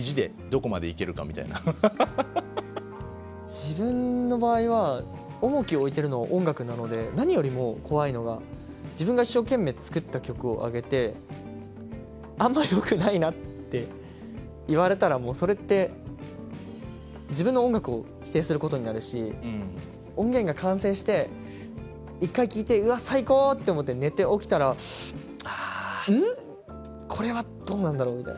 自分の場合は重きを置いてるのが音楽なので何よりも怖いのが自分が一生懸命作った曲をあげて「あんまりよくないな」って言われたらもうそれって自分の音楽を否定することになるし音源が完成して１回聴いて「うわっ最高！」って思って寝て起きたら「うん？これはどうなんだろ？」みたいな。